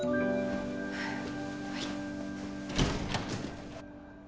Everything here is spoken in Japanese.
はい。